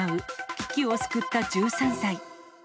危機を救った１３歳。